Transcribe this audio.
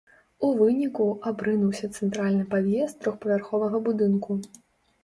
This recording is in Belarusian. У выніку, абрынуўся цэнтральны пад'езд трохпавярховага будынку.